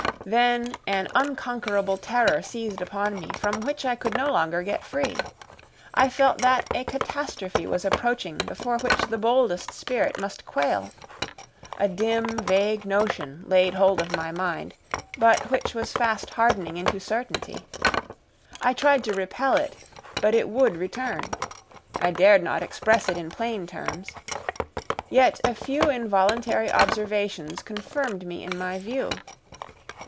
Then an unconquerable terror seized upon me, from which I could no longer get free. I felt that a catastrophe was approaching before which the boldest spirit must quail. A dim, vague notion laid hold of my mind, but which was fast hardening into certainty. I tried to repel it, but it would return. I dared not express it in plain terms. Yet a few involuntary observations confirmed me in my view.